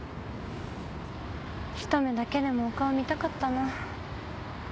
ひと目だけでもお顔見たかったな。